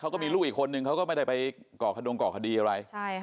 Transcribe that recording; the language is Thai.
เค้าก็มีลูกอีกคนหนึ่งเค้าก็ไม่ได้ไปเกราะขดงกรกฎีอะไร